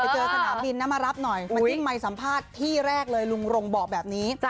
เจอสนามบินนะมารับหน่อยมาจิ้มไมค์สัมภาษณ์ที่แรกเลยลุงรงบอกแบบนี้